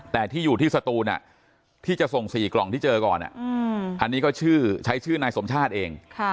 แต่ที่อยู่ที่สตูนที่จะส่ง๔กล่องที่เจอก่อนอันนี้ก็ชื่อใช้ชื่อนายสมชาติเอง